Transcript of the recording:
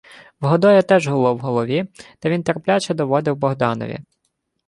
В Годоя теж гуло в голові, та він терпляче доводив Богданові: